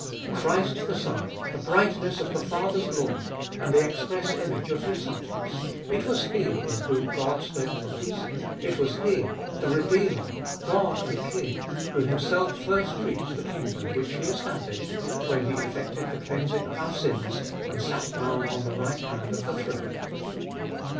Christ the Son, the brightness of the Father's glory, and the express image of His substance, it was He in whom God spoke to us ; it was He, the Redeemer, God and King, who Himself first preached the kingdom which He established when He effected the cleansing of our sins, and sat down on the right hand of the throne.